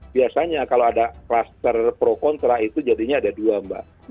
biasanya kalau ada kluster pro kontra itu jadinya ada dua mbak